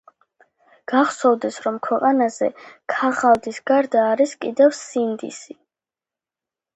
გახსოვდეს რომ ქვეყანაზე ქაღალდის გარდა არის კიდევ სინდისი